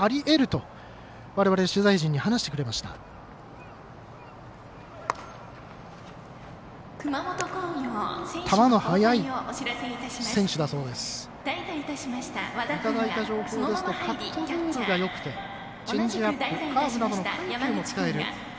いただいた情報ですとカットボールがよくてチェンジアップ、カーブなどの緩急も使える。